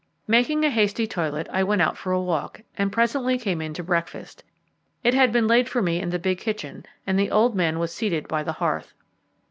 Making a hasty toilet, I went out for a walk, and presently came in to breakfast. It had been laid for me in the big kitchen, and the old man was seated by the hearth.